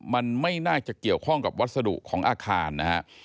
มันไม่น่าจะเกี่ยวข้องกับวัสดุของอาคารนะฮะ